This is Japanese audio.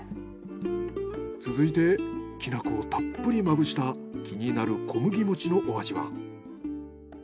続いてきなこをたっぷりまぶした気になる小麦餅のお味は？